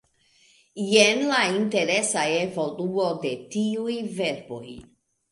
Jen la interesa evoluo de tiuj verboj: